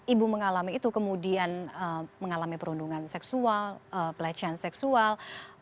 ibu mengalami itu kemudian mengalami perundungan seksual pelecehan seksual